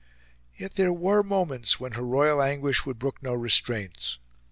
Yet there were moments when her royal anguish would brook no restraints.